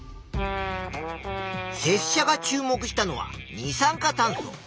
せっしゃが注目したのは二酸化炭素。